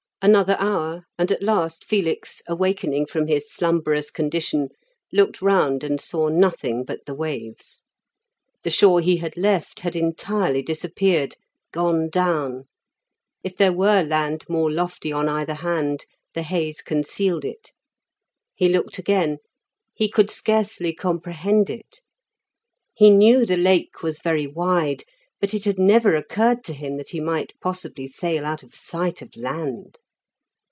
Another hour, and at last Felix, awakening from his slumberous condition, looked round and saw nothing but the waves. The shore he had left had entirely disappeared, gone down; if there were land more lofty on either hand, the haze concealed it. He looked again; he could scarcely comprehend it. He knew the Lake was very wide, but it had never occurred to him that he might possibly sail out of sight of land.